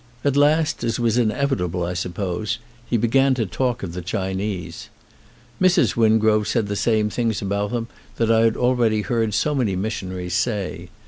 At last, as was inevitable, I suppose, he began to talk of the Chinese. Mrs. Win grove said the same things about them that I had already heard so many missionaries say.